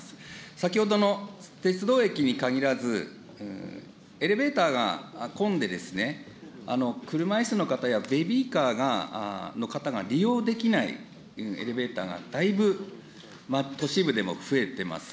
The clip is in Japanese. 先ほどの鉄道駅に限らず、エレベーターが混んで、車いすの方やベビーカーの方が利用できないエレベーターが、だいぶ都市部でも増えてます。